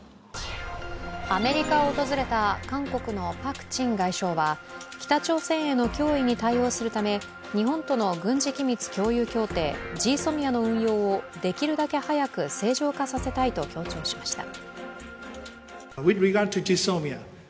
アメリカを訪れた韓国のパク・チン外相は北朝鮮への脅威に対応するため日本との軍事機密共有協定＝ＧＳＯＭＩＡの運用をできるだけ早く正常化させたいと強調しました。